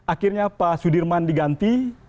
akhirnya pak sudirman diganti